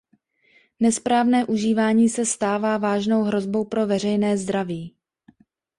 Nesprávné užívání se stává vážnou hrozbou pro veřejné zdraví.